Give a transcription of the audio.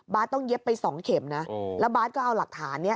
ต้องเย็บไปสองเข็มนะแล้วบาทก็เอาหลักฐานนี้